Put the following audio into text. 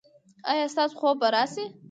ایا ستاسو خوب به راشي؟